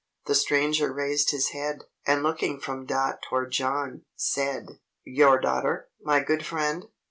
The Stranger raised his head; and looking from Dot toward John, said: "Your daughter, my good friend?"